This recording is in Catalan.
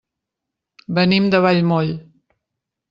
Venim de Vallmoll.